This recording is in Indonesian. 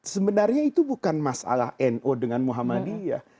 sebenarnya itu bukan masalah nu dengan muhammadiyah